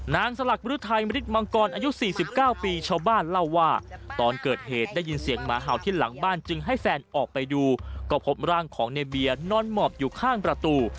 สลักบรุไทยมฤทธมังกรอายุ๔๙ปีชาวบ้านเล่าว่าตอนเกิดเหตุได้ยินเสียงหมาเห่าที่หลังบ้านจึงให้แฟนออกไปดูก็พบร่างของในเบียร์นอนหมอบอยู่ข้างประตู